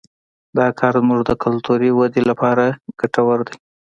دا کار زموږ د کلتوري ودې لپاره ګټور دی